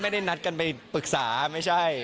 ไม่ได้นัดกันไปปรึกษาไม่ใช่